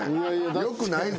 よくないぞ。